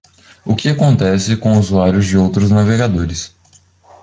O que acontece com os usuários de outros navegadores?